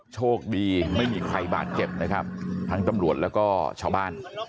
โชคดีไม่มีใครบาดเจ็บนะครับทั้งตำรวจแล้วก็ชาวบ้าน